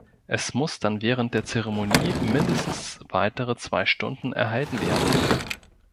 Es muss dann während der Zeremonie mindestens weitere zwei Stunden erhalten werden.